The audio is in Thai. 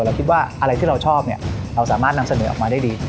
เราคิดว่าอะไรที่เราชอบเนี่ยเราสามารถนำเสนอออกมาได้ดี